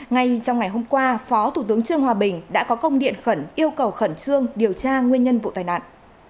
ngay trong ngày hôm qua phó thủ tướng trương hòa bình đã có công điện khẩn yêu cầu khẩn trương điều tra nguyên nhân vụ tai nạn